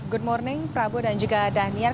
good morning prabu dan juga daniar